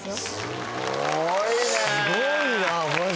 すごいね！